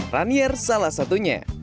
ranier salah satunya